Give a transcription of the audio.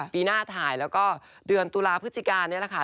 ปีหน้าถ่ายแล้วก็เดือนตุลาพฤศจิกานี่แหละค่ะ